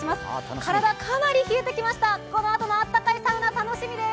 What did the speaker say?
体、からな冷えてきました、このあとのあったかいサウナ、楽しみです